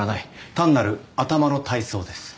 単なる頭の体操です